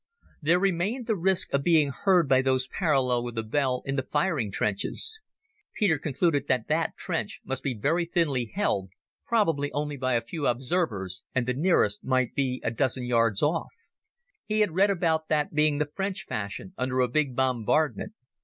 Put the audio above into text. There remained the risk of being heard by those parallel with the bell in the firing trenches. Peter concluded that that trench must be very thinly held, probably only by a few observers, and the nearest might be a dozen yards off. He had read about that being the French fashion under a big bombardment.